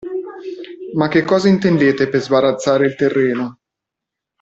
Ma che cosa intendete per sbarazzare il terreno?